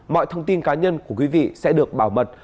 mọi thông tin cá nhân của quý vị sẽ được bảo mật